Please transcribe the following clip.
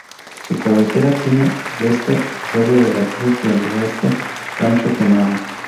Su cabecera tiene al este el Cerro la Cruz y al oeste Rancho Quemado.